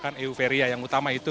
kita merasakan euphoria yang utama itu